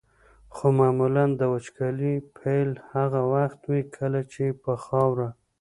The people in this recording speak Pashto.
خو معمولا د وچکالۍ پیل هغه وخت وي کله چې په خاوره.